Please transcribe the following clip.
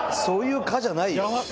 そういう「か」じゃないよ。